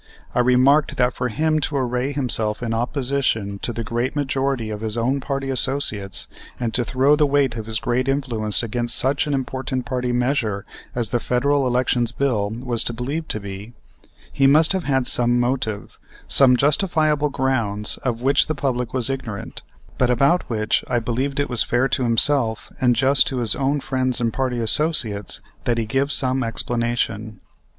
I remarked that for him to array himself in opposition to the great majority of his own party associates, and to throw the weight of his great influence against such an important party measure as the Federal Elections Bill was believed to be, he must have had some motive, some justifiable grounds of which the public was ignorant, but about which I believed it was fair to himself and just to his own friends and party associates, that he give some explanation.